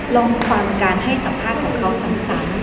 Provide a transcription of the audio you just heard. ลองความการให้สัมภาษณ์ของเขาสัง